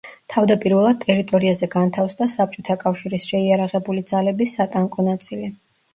თავდაპირველად ტერიტორიაზე განთავსდა საბჭოთა კავშირის შეიარაღებული ძალების სატანკო ნაწილი.